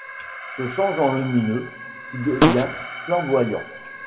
Se change en lumineux ; qui devient, flamboyant ;